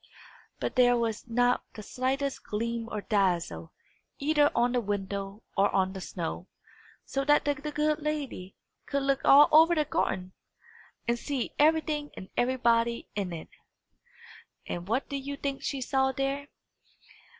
But there was not the slightest gleam or dazzle, either on the window or on the snow; so that the good lady could look all over the garden, and see everything and everybody in it. And what do you think she saw there?